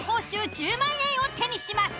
１０万円を手にします。